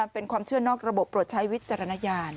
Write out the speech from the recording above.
เป็นความเชื่อนอกระบบโปรดใช้วิจารณญาณ